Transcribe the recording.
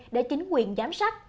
để chính quyền giám sát